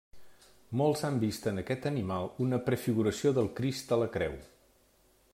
Molts han vist en aquest animal una prefiguració del Crist a la creu.